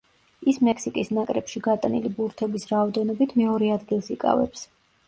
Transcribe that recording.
ის მექსიკის ნაკრებში გატანილი ბურთების რაოდენობით მეორე ადგილს იკავებს.